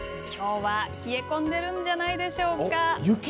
きょうは、冷え込んでるんじゃないでしょうか。